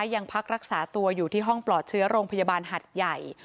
ยังพักรักษาตัวอยู่ที่ห้องปลอดเชื้อโรงพยาบาลหัดใหญ่